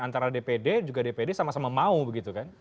antara dpd juga dpd sama sama mau begitu kan